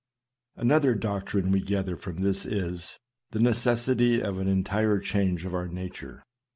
Another doctrine we gather from this is, the necessity of an entire change of our nature.